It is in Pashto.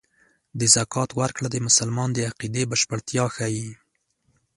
د زکات ورکړه د مسلمان د عقیدې بشپړتیا ښيي.